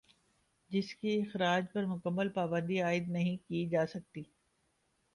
جس کے اخراج پر مکمل پابندی عائد نہیں کی جاسکتی